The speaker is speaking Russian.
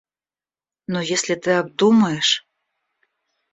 Но если ты обдумаешь...